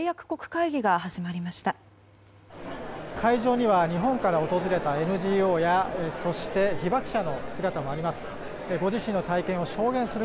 会場には日本から訪れたＮＧＯやそして、被爆者の姿もあります。